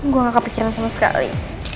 gue gak kekecewa sama sekali